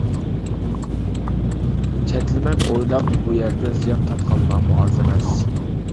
چەتلىمەك ئويلاپ بۇ يەردە زىيان تارتقانلارمۇ ئاز ئەمەس.